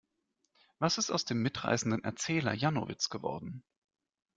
Was ist aus dem mitreißenden Erzähler Janowitz geworden?